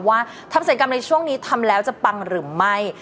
ว่าทำศัยกรรมในช่วงนี้ทำแล้วจะปังหรือไม่